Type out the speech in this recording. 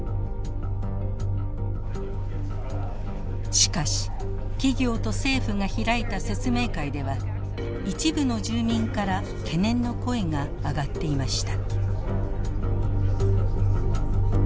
しかし企業と政府が開いた説明会では一部の住民から懸念の声が上がっていました。